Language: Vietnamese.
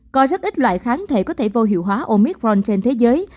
có rất ít loại kháng thể có thể vô hiệu hóa omitron trên thế giới